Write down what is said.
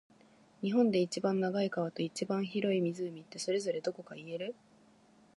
日本で一番長い川と、一番広い湖って、それぞれどこか言える？